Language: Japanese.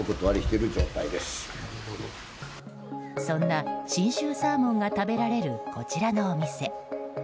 そんな信州サーモンが食べられる、こちらのお店。